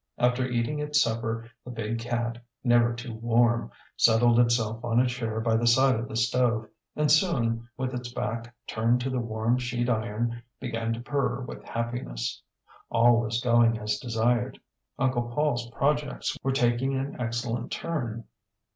After eating its supper the big cat, never too warm, settled itself on a chair by the side of the stove, and soon, with its back turned to the warm sheet iron, began to purr with happiness. All was going as desired; Uncle PaulŌĆÖs projects were taking an excellent turn.